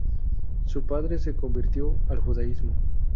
Su padre se convirtió al judaísmo.